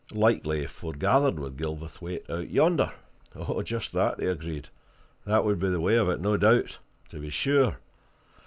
"Likely he foregathered with Gilverthwaite out yonder." "Just that," he agreed. "That would be the way of it, no doubt. To be sure!